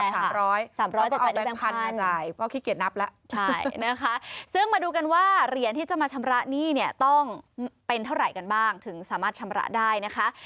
๓๐๐จะได้แปลงพันธุ์ใช่ค่ะใช่นะคะซึ่งมาดูกันว่าเหรียญที่จะมาชำระหนี้เนี่ยต้องเป็นเท่าไหร่กันบ้างถึงสามารถชำระได้นะคะ